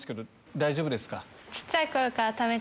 大丈夫ですか？